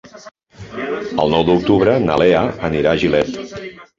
El nou d'octubre na Lea anirà a Gilet.